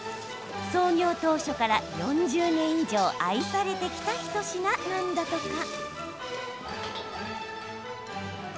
創業当初から４０年以上愛されてきた一品なんだとか。